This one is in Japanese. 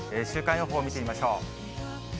週間予報を見てみましょう。